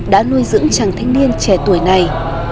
đã nuôi dưỡng chàng thanh niên trẻ tuổi này